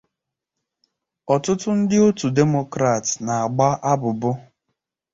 Ọtụtụ ndị otu Demokrat na-agba abụbụ